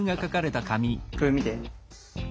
これ見て。